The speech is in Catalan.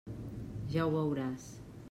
Ja ho veuràs.